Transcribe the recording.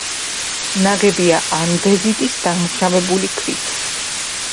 ნაგებია ანდეზიტის დამუშავებული ქვით.